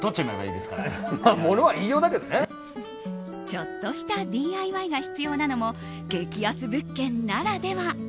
ちょっとしたＤＩＹが必要なのも激安物件ならでは。